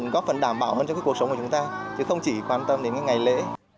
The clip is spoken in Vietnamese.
góp phần đảm bảo hơn cho cuộc sống của chúng ta chứ không chỉ quan tâm đến ngày lễ